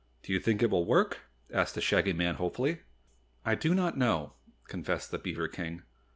"Do you think it will work?" asked the Shaggy Man hopefully. "I do not know," confessed the beaver King.